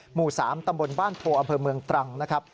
หมู่๓ตำบลบ้านโพอำเภอเมืองตรังนะครับ